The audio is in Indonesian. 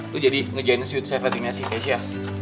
lo jadi ngejain suit saverinnya si keisha